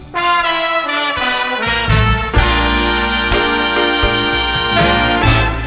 ทนทรมานมามากแล้ว